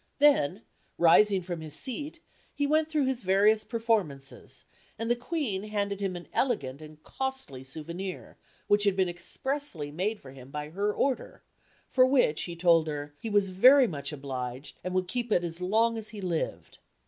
Then, rising from his seat, he went through his various performances, and the Queen handed him an elegant and costly souvenir, which had been expressly made for him by her order for which, he told her, "he was very much obliged, and would keep it as long as he lived."